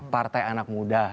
partai anak muda